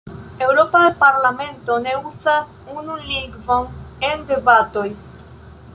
Eŭropa Parlamento ne uzas unu lingvon de debatoj.